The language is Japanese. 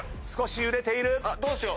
少し揺れている。